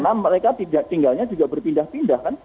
karena mereka tinggalnya juga berpindah pindah kan